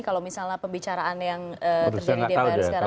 kalau misalnya pembicaraan yang terjadi di dpr sekarang